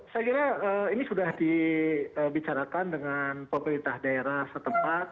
saya kira ini sudah dibicarakan dengan pemerintah daerah setempat